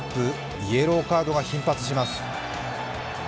イエローカードが頻発します。